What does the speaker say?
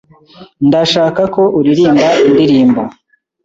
Ndashaka ko uririmba indirimbo.